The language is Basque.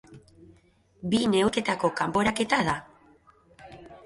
Bi neurketako kanporaketa da.